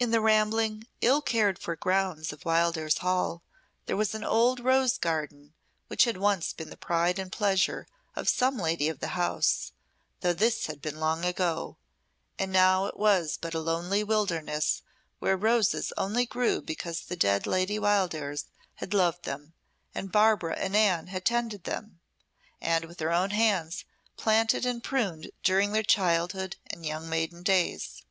In the rambling, ill cared for grounds of Wildairs Hall there was an old rose garden, which had once been the pride and pleasure of some lady of the house, though this had been long ago; and now it was but a lonely wilderness where roses only grew because the dead Lady Wildairs had loved them, and Barbara and Anne had tended them, and with their own hands planted and pruned during their childhood and young maiden days.